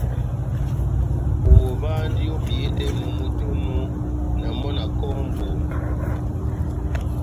Ová ondi obiyedɛ momó tɛ́h onu, na mɔ́ na kɔ́hɔ́ mʼbondo.